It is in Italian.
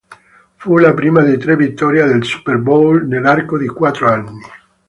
Fu la prima di tre vittorie del Super Bowl nell'arco di quattro anni.